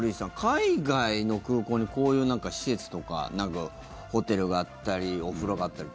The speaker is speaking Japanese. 海外の空港に、こういう施設とか何かホテルがあったりお風呂があったりって。